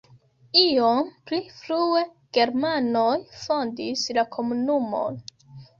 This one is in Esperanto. Iom pli frue germanoj fondis la komunumon.